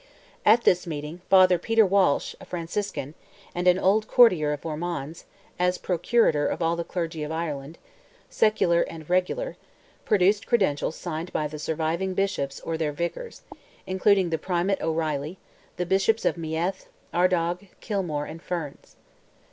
At this meeting, Father Peter Walsh, a Franciscan, and an old courtier of Ormond's, as "Procurator of all the Clergy of Ireland," secular and regular, produced credentials signed by the surviving bishops or their vicars—including the Primate O'Reilly, the Bishops of Meath, Ardagh, Kilmore, and Ferns.